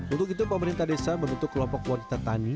untuk itu pemerintah desa membentuk kelompok wanita tani